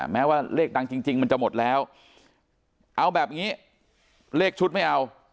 แม้ว่าเลขดังจริงมันจะหมดแล้วเอาแบบนี้เลขชุดไม่เอา